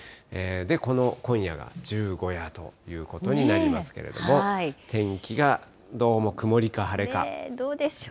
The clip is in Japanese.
この、今夜が十五夜ということになりますけど、どうでしょう。